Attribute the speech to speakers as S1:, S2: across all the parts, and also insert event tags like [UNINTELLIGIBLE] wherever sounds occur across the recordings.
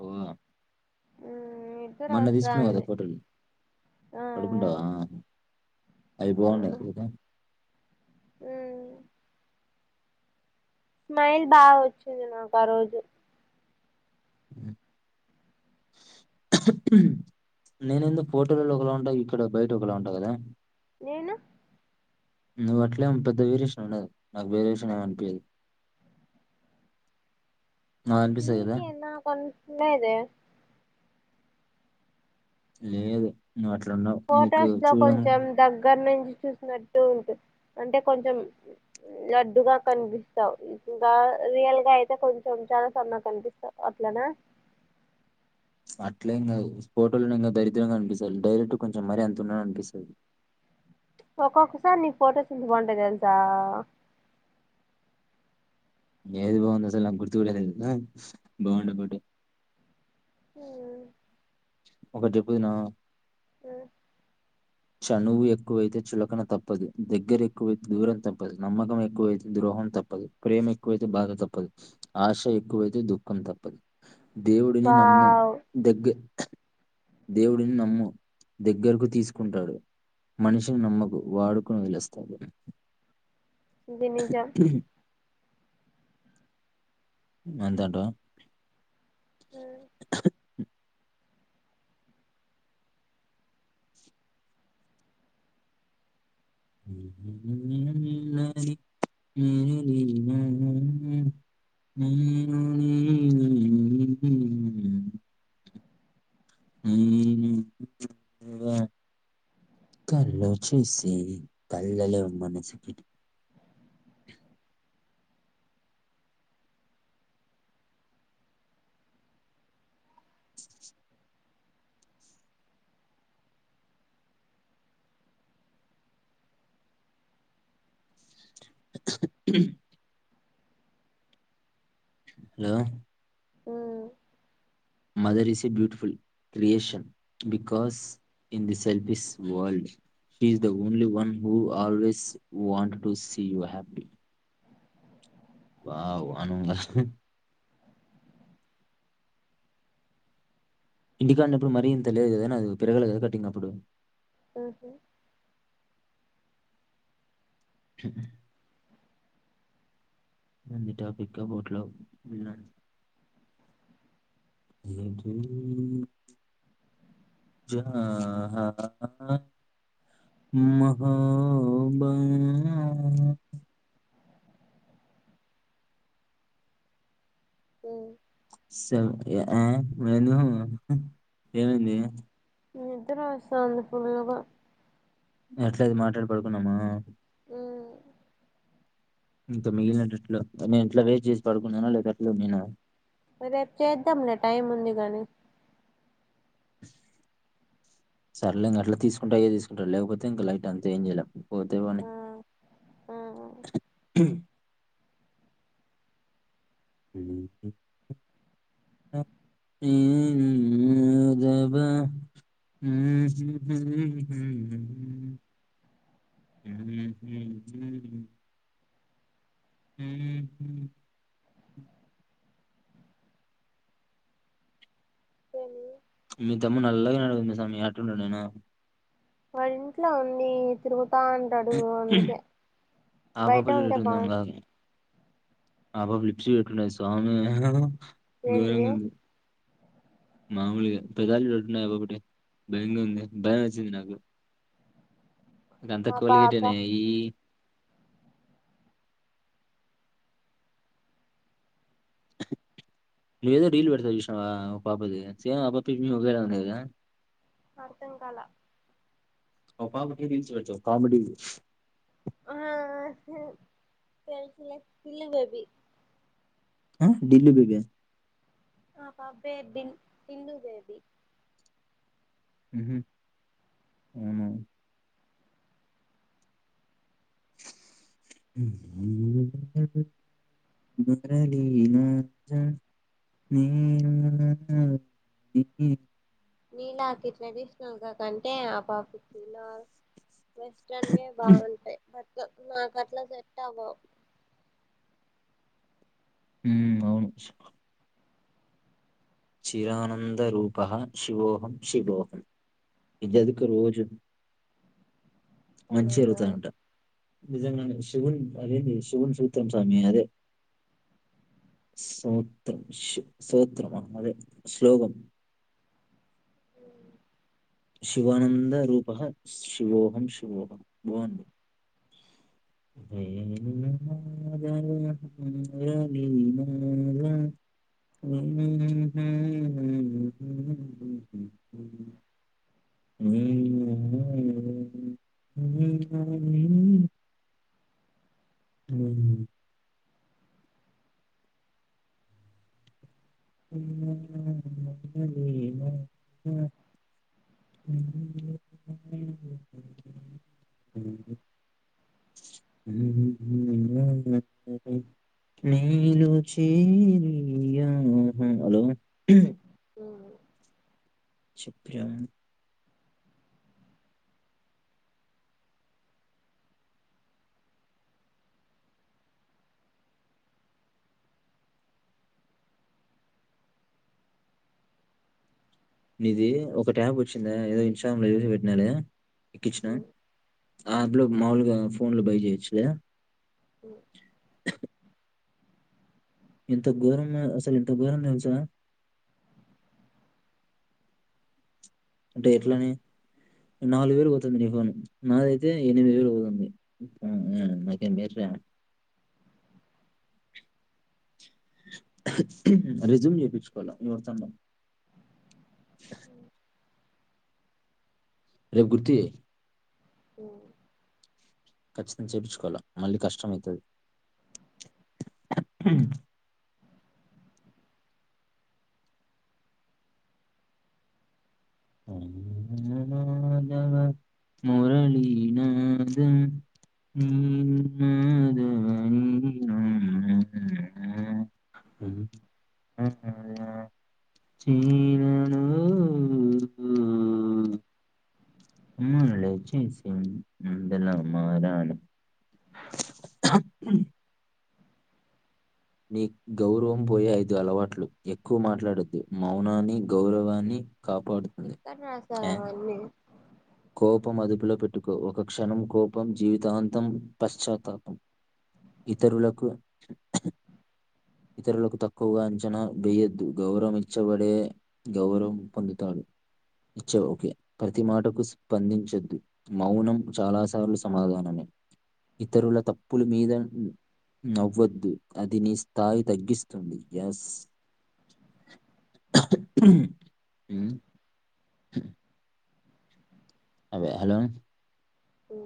S1: పోద్దాం
S2: నిద్దర
S1: మొన్న తీసుకున్నావు కదా
S2: వస్తాంది
S1: కోటలు
S2: ఆ
S1: పడుకుంటావా అవి బాగున్నాయి లేదా
S2: హ్మ్ స్మైల్ బాగా వచ్చింది నాకు ఆ రోజు
S1: నేను ఏంది ఫోటోలలో ఒకలా ఉంటా ఇక్కడ బయట ఒకలా ఉంటా కదా
S2: నేను
S1: నువ్వు అట్లేం పెద్ద వేరియేషన్ ఉండదు నాకు వేరియేషన్ ఏమీ అనిపీయదు
S2: నీకే నా కని లేదే
S1: లేదు నువ్వు అట్లున్నావు. నీకు
S2: ఫొటోస్ లో
S1: చూడడం
S2: కొంచెం దగ్గర నున్ చూసినట్టు ఉంటు అంటే కొంచెం లడ్డుగా కనిపిస్తావు ఇంకా రియల్గా అయితే కొంచెం చాలా సన్న కనిపిస్తావు అట్లనా
S1: అట్లే యేంకాద ఫోటోలను ఇంకా దరిద్రంగా కనిపిస్తుంది డైరెక్ట్ కొంచెం మరీ అంత ఉన్నాని అనిపిస్తుంది
S2: ఒక్కొక్కసారి నీ ఫోటోస్ ఎంత బాగుంటాయి తెలుసా
S1: ఏది బాగుంది అసలు నా గుర్తు కూడ లేదు బాగుండ ఫోటో
S2: హ్మ్మ్
S1: ఒకటి చెప్పుదున
S2: హ్మ్
S1: చనువు ఎక్కువైతే చులకన తప్పదు దగ్గర ఎక్కువైతే దూరం తప్పదు నమ్మకం ఎక్కువైతే ద్రోహం తప్పదు ప్రేమ ఎక్కువైతే బాధ తప్పదు ఆశ ఎక్కువైతే దుఃఖం తప్పదు దేవుడిని నమ్ము
S2: వావ్
S1: దగ్గ దేవుడిని నమ్ము దగ్గరకు తీసుకు కుంటాడు మనిషిని నమ్మకు వాడుకుని వదిలేస్తాడు
S2: ఇది నిజం
S1: ఎంతంటా
S2: హ్మ్
S1: మ్మ్ మ్మ్ మ్మ్ మ్మ్ మ్మ్ మ్మ్ మ్మ్ కళ్ళ చూసి కళ్ళలో మనసుకి hello
S2: hmm
S1: mother is a beautiful creation because in the selfish world she is the only one who always want to see you happy wow అనుందా ఇంటి కాడునప్పుడు మరి ఇంత లేదు కద నాది పేరగల కదా కటింగ్ అప్పుడు
S2: హు హ్మ్
S1: ముంది టాపిక్ అబౌట్ లవ్ [INAUDIBLE] మొహబా
S2: ఉమ్
S1: [UNINTELLIGIBLE]
S2: నిద్రొస్తా ఉంది ఫుల్ల్గా
S1: ఎట్లైత్ మాట్లాడి పడుకున్నామా
S2: హ్మ్
S1: నీతో మిగిలిన ట్విస్టులు నేన్ ఎట్లా వేస్ట్ చేసి పడుకున్నాన లేక అట్లే ఉన్నినా
S2: మరి రేప్ చేద్దాంలే టైం ఉంది గానీ
S1: సర్లే ఇంక అట్లే తీసుకుంటా యే తీసుకుంట లేకపోతే ఇంకా లైట్ అంతా ఏం చేయలే పోతే పోనీ
S2: ఆ
S1: హమ్
S2: ఏమీ
S1: మీ తమ్ముడు నల్లగ అయినాడు సామీ ఆటంటే నాయనా
S2: వాడు ఇంట్లో ఉంది తిరుగు తా అంటాడు అందుకే
S1: ఆ పాప
S2: బయట ఉంటే బా
S1: మా పాప లిఫ్ట్ చేయట్లే స్వామి గోరంగ
S2: ఏంటివి
S1: ఉంది మామూలుగా పెదాలు చటున్నాయి ఒకటి భయంగా ఉంది భయం వేసింది నాకు అంతా
S2: ఆ పాప
S1: కోలిగేటేనాయె ఈ ను ఏదో రీల్ పెట్టిన చూసినావ ఒక పాపది సేమ్ ఆ పాప ఈ పిల్ల ఒకేలా ఉన్నారు కధ
S2: అర్థం కాల
S1: ఒ పాపది రీల్స్ పెడ్తవు కామెడీ
S2: ఆ తెల్సు లే పిల్ల బేబి
S1: హ ఢిల్లీ బేబా
S2: ఆ పాప పేరు సింధు బేబీ
S1: మ్ హు అవునా గురళ రాజ న
S2: నీలాకి ఇట్లా సినల్గా కంటే ఆ పాపు చలా వెస్టన్ే బాగుంటాయి బట్ మాకట్లా సెట్ అవ్వవు
S1: హు అవును చిరానందరూపహ శివోహం శివోహం ఇది చదువుకో రోజు మంచి
S2: తెలీదు
S1: జరుగుతాది అంట నిజంగా శవున్ అదంది శిగున్ సూత్రం స్వామి అదే స్ూత్రం స్ూత్రమా అదే శ్లోకం
S2: హు
S1: శివానందూపః శివోహం శివోహం ఆ హ ఆ హలో
S2: మ్
S1: చెప్యా ఇది ఒక ట్యాబ్ వచ్చిందా ఏదో ఇన్స్టాగ్రామ్ లో చుసి పెట్టినారు ఎక్కిచ్చిన
S2: మ్
S1: ఆప్ లో మాములుగా ఫోన్లు బై చేయొచ్చు కదా
S2: ఓ
S1: ఎంత ఘోరం అసలు ఎంత ఘోరం తెలుసా అంటే ఎట్లని నాలుగు
S2: మ్
S1: వేలు పోతుంది ని ఫోన్ నాదైతే ఎనిమిది వేలు పోతుంది మ్ హు అయితే బెటర్ ఏ రెజూమ్ చేయిించుకోవాల ఎవరితోన్నా రేపు గుర్తి
S2: ఓ
S1: ఖచ్చితంగా చేపించుకోవాలా మళ్ళీ కష్టము అవుతుంది పాండురంగనాథ మురళి నాద వేణుమాదవ్ చీరలో [UNINTELLIGIBLE] మారాను మీ గౌరవం పోయే ఐదు అలవాట్లు ఎక్కువ మాట్లాడొద్దు మౌనాన్ని గౌరవాన్ని కాపాడుతుంది
S2: ఎక్కడ రాశారు
S1: ఏ?
S2: అవన్నీ
S1: కోపం అదుపులో పెట్టుకో ఒక క్షణం కోపం జీవితాంతం పశ్చాత్తాపం ఇతరులకు ఇతరులకు తక్కువగా అంచనా వేయొద్దు గౌరవం ఇచ్చబడే గౌరవం పొందుతాడు ఇచ్చే ఒకే ప్రతి మాటకు స్పందించద్దు మౌనం చాలా సార్లు సమాధానమే ఇతరుల తప్పుల మీద నవ్వద్దు అది నీ స్ స్థాయి తగ్గిస్తుంది ఎస్ ఆ అదే హలో
S2: ఊ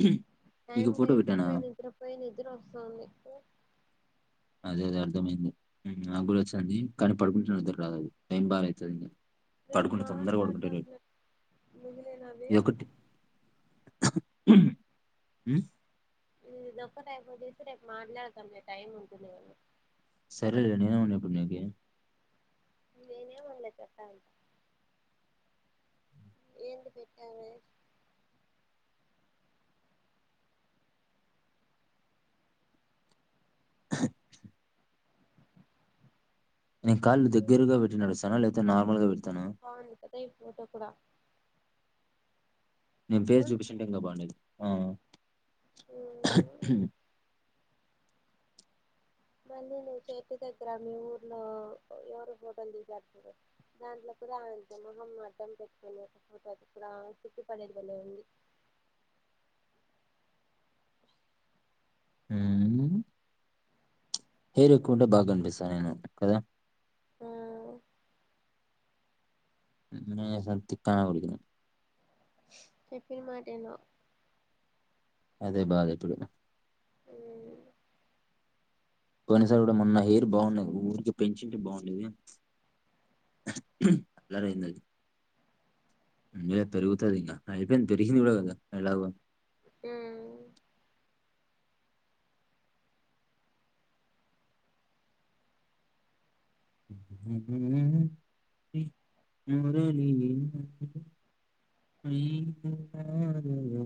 S1: హ
S2: టైమ్ కి నిద్ర పోయి నిద్ర పోయి ని నిద్రొస్తోంది
S1: అదే అదే అర్థమైంది నా గూడ వస్తాంది కానీ పడుకుంటే నిద్ర రాదు టైం బాగా అవుతుంది
S2: రేపు మాట్లాడదాంలే మిగిలినవి
S1: హఉ ఉ
S2: ఇది ఒక్కటి అయిపోజేసి రేపు మాట్లాడతాంలే టైం ఉంటుంది కదా
S1: సరేలే నేను ఏమన్నా ఇప్పుడు నీకి
S2: నేనేమన్లే ఏంటి పెట్టావే
S1: అహ అహ్ నేను కాళ్లు దగ్గరగా పెట్టి నడుస్తాన లేద్ లేదా నార్మల్గా పెడుత
S2: బాగుంది కదా ఈ ఫోటో కూడా
S1: నేన్ ఫేస్
S2: ఆ
S1: చూపించింటే ఇంకా బాగుండేది ఆ అహ్ అ
S2: మళ్ళీ నువ్వు చెట్టు దగ్గర మీ ఊర్లో ఎవరు ఫోటోలు తీసినారు దాంట్లో కూడా అంతే మొహం అడ్డం పెట్టుకుని ఒక ఫోటో అది కూడా సిగ్గు పడేది భలే ఉంది
S1: ఊమ్ హెయిర్ ఎక్కవుంటే బాగా కనిపిస్తా నేను కదా
S2: ఆ
S1: ఎందుకిలాఏసావ్ తిట్టా నా కొడుకుని
S2: చెప్పిన మాట విను
S1: అదే బాధ ఇప్పుడు
S2: ఉమ్
S1: పొయినసారి కూడా మొన్న హెయిర్ బాగున్నది ఊరికి పెంచుంటే బాగుండేది అల్లరి అయింది అది ఇంగా పెరుగుతది ఇంగ అయిపోయింది పెరిగింది కూడా కదా ఎలాగో
S2: ఊ
S1: ఉ హు హు ఉ మురళి నాద వేణుమాధవ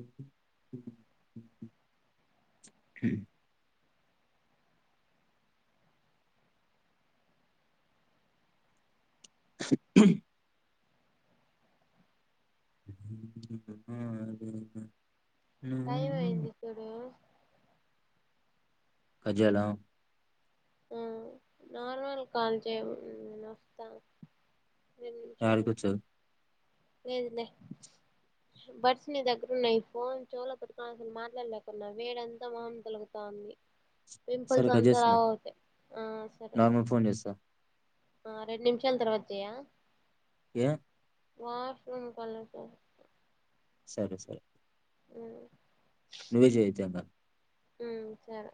S2: టైం
S1: నాదం
S2: అయింది ఇప్పుడు
S1: కజ్జేయలా
S2: హ్మ్ నార్మల్ కాల్ చెయ్ నేనొస్త
S1: యాడికొచ్చావ్
S2: లేదులే బడ్స్ నీ దగ్గరున్నాయి ఫోన్ చెవ్లో పేట్టుకొన మాట్లాడలేకున్నా వేడంతా మొహం తలుగుతాంది
S1: సరే
S2: పింపుల్స్
S1: కట్
S2: అంత
S1: చేస్తున్నా
S2: రావు ఓకె
S1: నార్మల్ ఫోన్ చేస్తా
S2: ఆ రెండు నిమిషాలు తర్వాత చేయ్ ఆ
S1: ఏ
S2: వాష్ రూమ్ కొల [UNINTELLIGIBLE]
S1: సరే సరే
S2: హ్మ్
S1: నువ్వే చెయ్ వచ్చాక
S2: హ్మ్ సరే